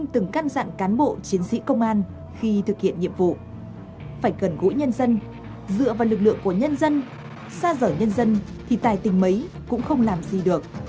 tổ chiến sĩ công an khi thực hiện nhiệm vụ phải gần gũi nhân dân dựa vào lực lượng của nhân dân xa dở nhân dân thì tài tình mấy cũng không làm gì được